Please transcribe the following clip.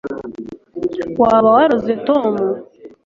waba waroze tom